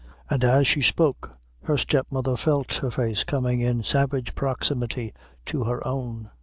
and, as she spoke, her step mother felt her face coming in savage proximity to her own.